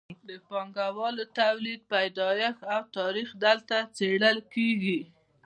د پانګوالي تولید پیدایښت او تاریخ دلته څیړل کیږي.